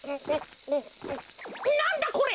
なんだこれ。